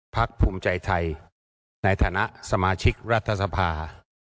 พักภูมิใจไทยในฐานะสมาชิกรัฐสภา